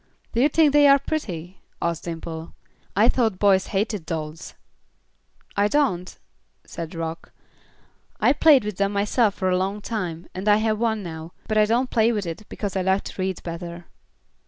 "Do you think they are pretty?" asked Dimple. "I thought boys hated dolls." "I don't," said Rock. "I played with them myself for a long time, and I have one now, but I don't play with it because I like to read better."